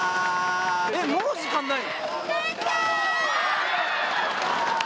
えっ、もう時間ないの？